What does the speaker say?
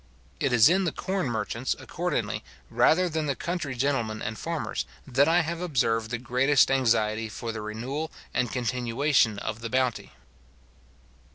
It is in the corn merchants, accordingly, rather than the country gentlemen and farmers, that I have observed the greatest anxiety for the renewal and continuation of the bounty.